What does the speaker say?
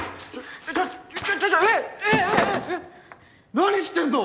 何してんの！